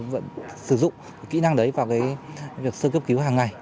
vận sử dụng kỹ năng đấy vào việc sơ cứu cứu hàng ngày